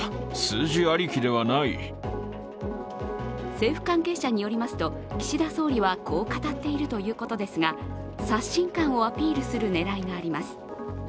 政府関係者によりますと岸田総理はこう語っているということですが、刷新感をアピールする狙いがあります。